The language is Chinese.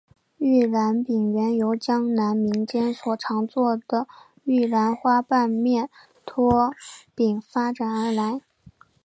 玉兰饼原由江南民间家常所做的玉兰花瓣面拖饼发展而来。